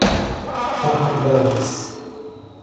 faculdades